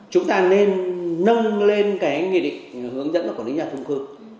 chúng ta nên nâng lên cái nghị định hướng dẫn của quản lý nhà thông khu